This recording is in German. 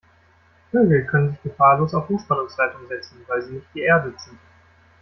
Vögel können sich gefahrlos auf Hochspannungsleitungen setzen, weil sie nicht geerdet sind.